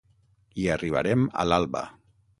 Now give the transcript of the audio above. Hi arribarem a l'alba.